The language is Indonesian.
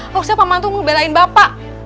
harusnya paman tuh ngebelain bapak